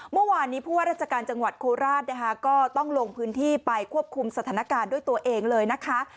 เมื่อวานนี้ผู้ว่าราชการจังหวัดโคราชนะคะก็ต้องลงพื้นที่ไปควบคุมสถานการณ์ด้วยตัวเองเลยนะคะ